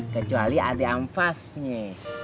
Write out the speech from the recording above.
kecuali ada amfasnya